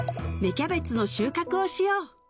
キャベツの収穫をしよう